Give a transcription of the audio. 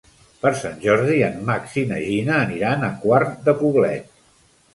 Per Sant Jordi en Max i na Gina aniran a Quart de Poblet.